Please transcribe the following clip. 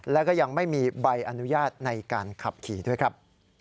แล้วก็ยังไม่มีใบอนุญาตในการขับขี่ด้วยครับ